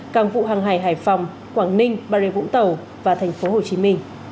càng vụ hàng hải hải phòng quảng ninh bà rịa vũng tàu và tp hcm